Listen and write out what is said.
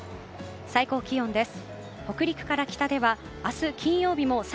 最高気温です。